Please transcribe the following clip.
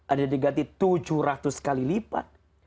ada diganti tujuh ratus kali lipat